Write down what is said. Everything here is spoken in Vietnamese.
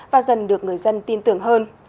và dần được người dân tin tưởng hơn